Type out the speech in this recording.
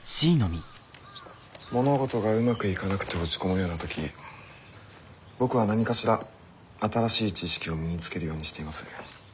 物事がうまくいかなくて落ち込むような時僕は何かしら新しい知識を身につけるようにしています。